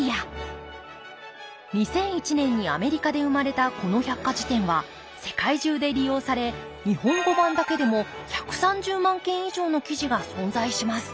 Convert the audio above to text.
２００１年にアメリカで生まれたこの百科事典は世界中で利用され日本語版だけでも１３０万件以上の記事が存在します